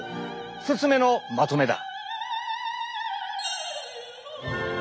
１つ目のまとめだ。